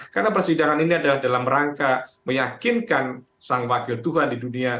karena persidangan ini adalah dalam rangka meyakinkan sang wakil tuhan di dunia